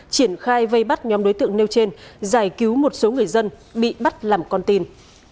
triển khai vây bắt nhóm đối tượng nêu trên giải cứu một số người dân bị bắt làm con tin